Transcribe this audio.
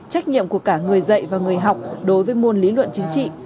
trách nhiệm của cả người dạy và người học đối với môn lý luận chính trị